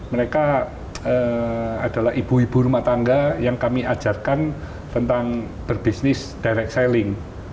mereka adalah ibu ibu rumah tangga yang kami ajarkan tentang berbisnis direct selling